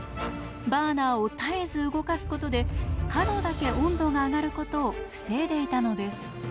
バーナーを絶えず動かすことで角だけ温度が上がることを防いでいたのです。